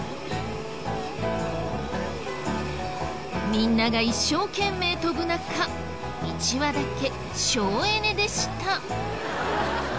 みんなが一生懸命飛ぶ中１羽だけ省エネでした。